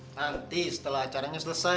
nanti setelah acaranya selesai